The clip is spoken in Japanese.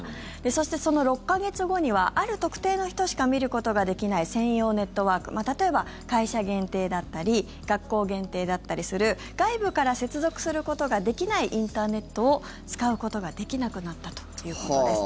そして、その６か月後にはある特定の人しか見ることができない専用ネットワーク例えば、会社限定だったり学校限定だったりする外部から接続することができないインターネットを使うことができなくなったということです。